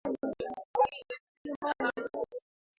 kutoka kwenye jua tunaposema sola tunamaana ya jua na kuiba